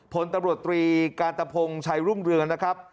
พลตำรวจตรีกาตะพงศ์ชัยรุ่งเรืองนะครับ